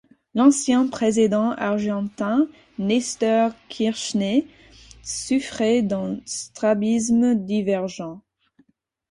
L'ancien président argentin Néstor Kirchner souffrait d'un strabisme divergent.